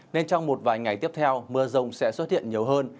nên trong một vài ngày tiếp theo mưa rông sẽ xuất hiện nhiều hơn